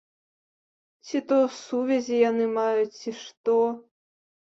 Ці то сувязі яны маюць, ці што.